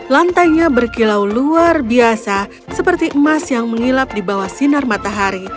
lantainya berkilau luar biasa seperti emas yang mengilap di bawah sinar matahari